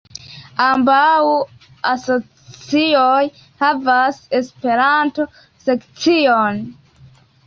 Ambaŭ asocioj havas Esperanto-sekcion.